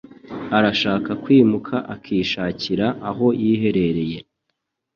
Arashaka kwimuka akishakira aho yiherereye.